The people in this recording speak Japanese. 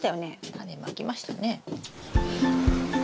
タネまきましたね。